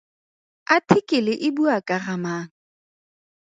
Athikele e bua ka ga mang?